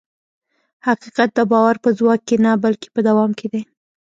حقیقت د باور په ځواک کې نه، بلکې په دوام کې دی.